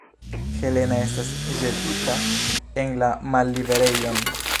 Helena estas ĵetita en la malliberejon.